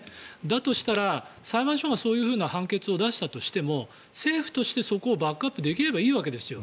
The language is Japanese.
だとしたら、裁判所がそういう判決を出したとしても政府としてそこをバックアップできればいいわけですよ。